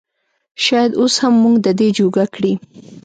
شايد اوس هم مونږ د دې جوګه کړي